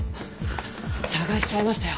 捜しちゃいましたよ！